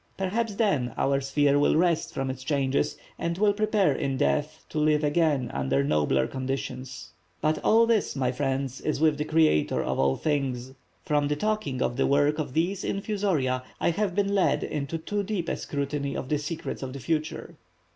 Perhaps then our sphere will rest from its changes, and will prepare in death to live again under nobler conditions. "But all this my friends, is with the Creator of all things. From the talking of the work of these infusoria I have been led into too deep a scrutiny of the secrets of the future."